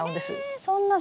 えそんな！